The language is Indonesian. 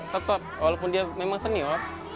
tetap walaupun dia memang senior